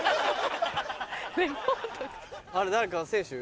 あれ誰か選手？